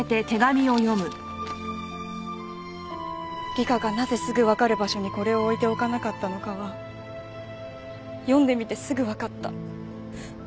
理香がなぜすぐわかる場所にこれを置いておかなかったのかは読んでみてすぐわかった。